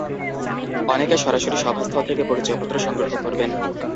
অনেকে সরাসরি সভাস্থল থেকে পরিচয়পত্র সংগ্রহ করবেন।